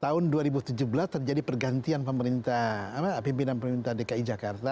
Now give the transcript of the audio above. tahun dua ribu tujuh belas terjadi pergantian pemerintah pimpinan pemerintah dki jakarta